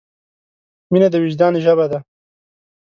مینه د وجدان ژبه ده.